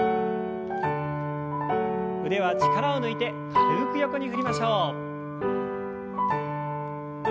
腕は力を抜いて軽く横に振りましょう。